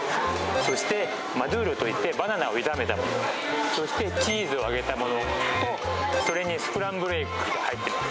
そしてマジョールといってバナナを炒めたものそしてチーズを揚げたものとそれにスクランブルエッグが入ってます